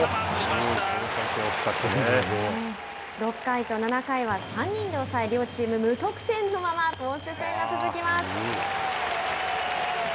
６回と７回は３人で抑え両チーム無得点のまま投手戦が続きます。